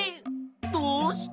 どうして？